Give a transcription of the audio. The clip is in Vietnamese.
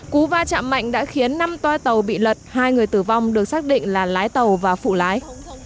cú va chạm mạnh đã khiến năm toa tàu bị lật hai người tử vong được xác định là lái tàu và phụ lái